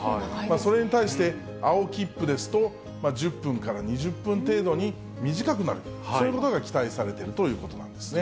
それに対して、青切符ですと、１０分から２０分程度に短くなる、そういうことが期待されているということなんですね。